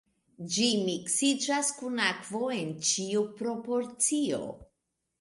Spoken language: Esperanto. Ĝi miksiĝas kun akvo en ĉiu proporcio.